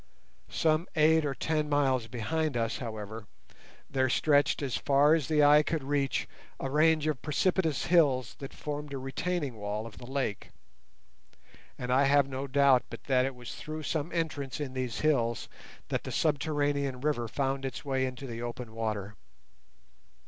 Some eight or ten miles behind us, however, there stretched as far as the eye could reach a range of precipitous hills that formed a retaining wall of the lake, and I have no doubt but that it was through some entrance in these hills that the subterranean river found its way into the open water.